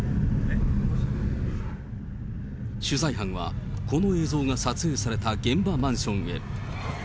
取材班は、この映像が撮影された現場マンションへ。